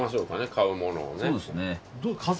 買うものを。